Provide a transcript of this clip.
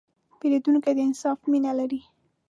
پیرودونکی د انصاف مینه لري.